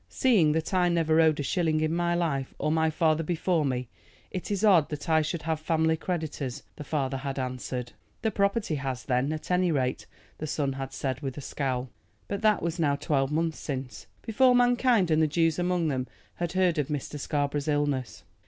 "Seeing that I never owed a shilling in my life, or my father before me, it is odd that I should have family creditors," the father had answered. "The property has, then, at any rate," the son had said, with a scowl. But that was now twelve months since, before mankind and the Jews among them had heard of Mr. Scarborough's illness.